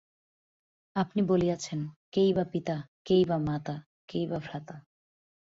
আপনি বলিয়াছেন, কেই বা পিতা, কেই বা মাতা, কেই বা ভ্রাতা!